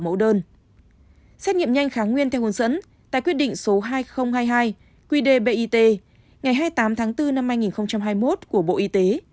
phương pháp xét nghiệm rt pcr đơn mẫu theo hướng dẫn tại quyết định số hai nghìn hai mươi hai quy đề bit ngày hai mươi tám tháng bốn năm hai nghìn hai mươi một của bộ y tế